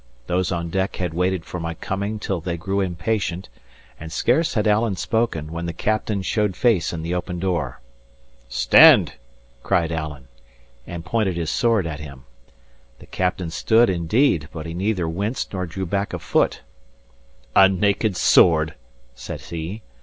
Those on deck had waited for my coming till they grew impatient; and scarce had Alan spoken, when the captain showed face in the open door. "Stand!" cried Alan, and pointed his sword at him. The captain stood, indeed; but he neither winced nor drew back a foot. "A naked sword?" says he.